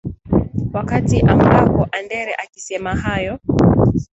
wakati amboka andere akisema hayo